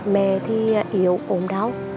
mẹ thì yếu ồn đau